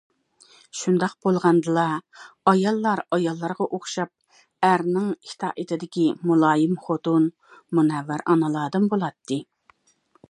شۇنداق بولغاندىلا ئاياللار ئاياللارغا ئوخشاپ، ئەرنىڭ ئىتائىتىدىكى مۇلايىم خوتۇن، مۇنەۋۋەر ئانىلاردىن بولاتتى.